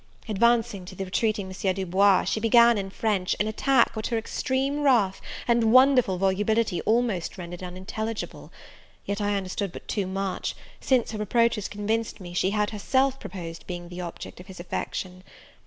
Advancing to the retreating M. Du Bois, she began, in French, an attack, which her extreme wrath and wonderful volubility almost rendered unintelligible; yet I understood but too much, since her reproaches convinced me she had herself proposed being the object of his affection.